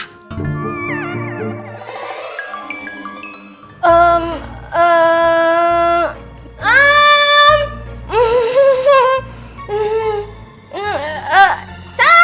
tante pengen tau nih